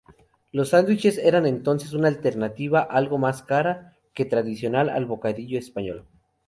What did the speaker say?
Los sándwiches eran entonces una alternativa algo más cara que el tradicional bocadillo español.